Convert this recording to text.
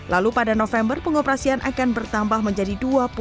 lalu pada november pengoperasian akan bertambah menjadi dua puluh